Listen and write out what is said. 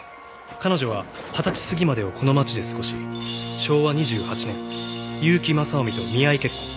彼女は二十歳過ぎまでをこの町で過ごし昭和２８年結城正臣と見合い結婚。